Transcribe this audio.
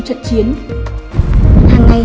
trận chiến hàng ngày